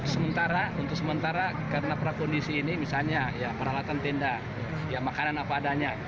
sementara untuk sementara karena prakondisi ini misalnya peralatan tenda makanan apa adanya